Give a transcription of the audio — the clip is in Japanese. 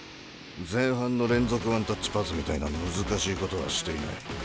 前半の連続ワンタッチパスみたいな難しいことはしていない。